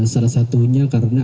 salah satunya karena